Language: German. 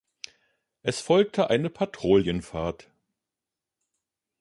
Es folgte eine Patrouillenfahrt.